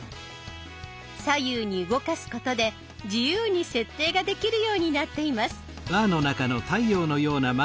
左右に動かすことで自由に設定ができるようになっています。